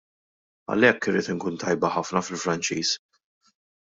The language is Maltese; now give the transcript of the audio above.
Għalhekk irrid inkun tajba ħafna fil-Franċiż.